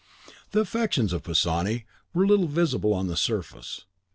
The affections of Pisani were little visible on the surface.